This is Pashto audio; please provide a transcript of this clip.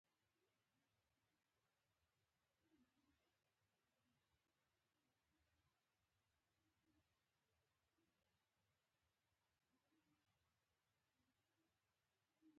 یوه ورځ یوه بیړۍ بندر ته راغله.